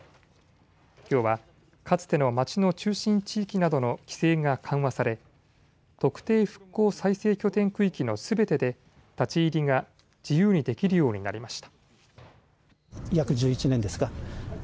きょうはかつての町の中心地域などの規制が緩和され特定復興再生拠点区域のすべてで立ち入りが自由にできるようになりました。